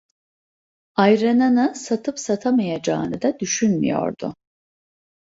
Ayranını satıp satamayacağını da düşünmüyordu.